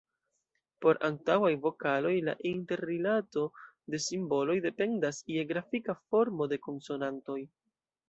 Por antaŭaj vokaloj la interrilato de simboloj dependas je grafika formo de konsonantoj.